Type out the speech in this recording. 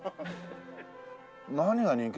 何が人気？